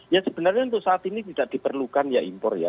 ya sebenarnya untuk saat ini tidak diperlukan ya impor ya